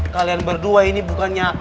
kalian berdua ini bukannya